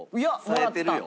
冴えてるよ。